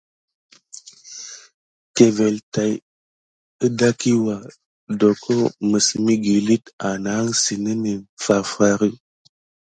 Kevele tät adakiwa doko məs məgillite anahansitini farfarə.